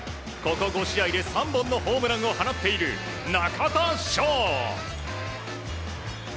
ここ５試合で３本のホームランを放っている中田翔！